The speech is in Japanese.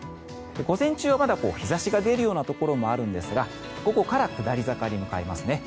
午前中はまだ日差しが出るようなところもあるんですが午後から下り坂に向かいますね。